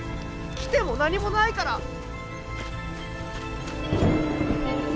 来ても何もないから。